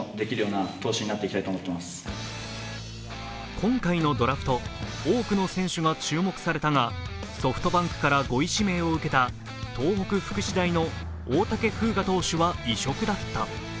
今回のドラフト、多くの選手が注目されたがソフトバンクから５位指名を受けた東北福祉大の大竹風雅投手は異色だった。